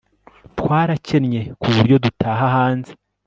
twarakennye kuburyo dutaha hanze